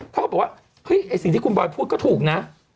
เขาก็บอกว่าเฮ้ยไอ้สิ่งที่คุณบอยพูดก็ถูกนะ